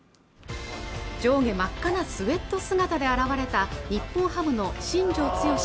上下真っ赤なスウェット姿で現れた日本ハムの新庄剛志